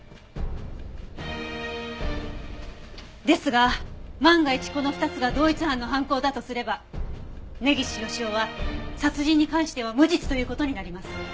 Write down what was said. ですが万が一この２つが同一犯の犯行だとすれば根岸義雄は殺人に関しては無実という事になります。